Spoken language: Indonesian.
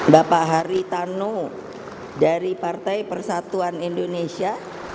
bapak hari tanu dari partai persatuan indonesia